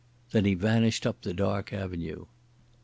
Then he vanished up the dark avenue.